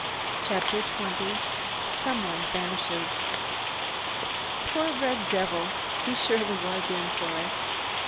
CHAPTER XX SOMEONE VANISHES Poor red devil! He surely was in for it!